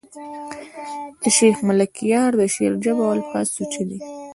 د شېخ ملکیار د شعر ژبه او الفاظ سوچه دي.